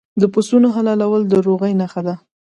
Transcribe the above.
د پسونو حلالول د روغې نښه ده.